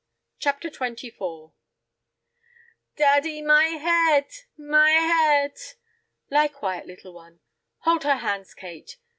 CHAPTER XXIV "Daddy, my head, my head!" "Lie quiet, little one. Hold her hands, Kate.